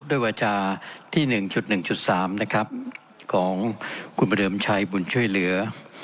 ด้วยวาจาที่หนึ่งจุดหนึ่งจุดสามนะครับของคุณพระเริ่มชายบุญช่วยเหลือ